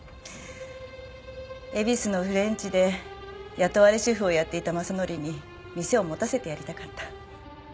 恵比寿のフレンチで雇われシェフをやっていた正範に店を持たせてやりたかった。